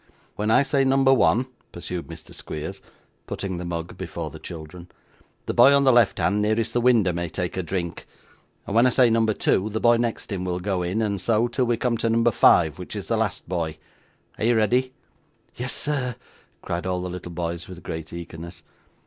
'When I say number one,' pursued Mr. Squeers, putting the mug before the children, 'the boy on the left hand nearest the window may take a drink; and when I say number two, the boy next him will go in, and so till we come to number five, which is the last boy. Are you ready?' 'Yes, sir,' cried all the little boys with great eagerness.